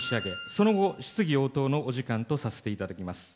その後、質疑応答のお時間とさせていただきます。